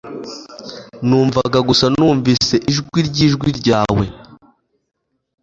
Numvaga gusa numvise ijwi ryijwi ryawe.